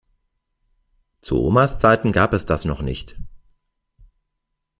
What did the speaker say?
Zu Omas Zeiten gab es das noch nicht.